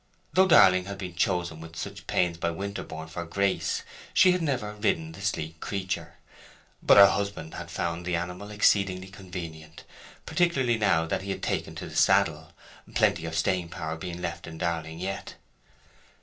Though Darling had been chosen with such pains by Winterborne for Grace, she had never ridden the sleek creature; but her husband had found the animal exceedingly convenient, particularly now that he had taken to the saddle, plenty of staying power being left in Darling yet.